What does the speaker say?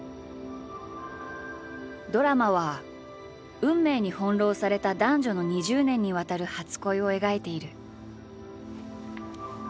ドラマは運命に翻弄された男女の２０年にわたる初恋を描いている。